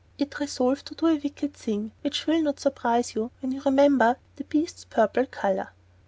It resolved to do a wicked thing; which will not surprise you when you remember the beast's purple color.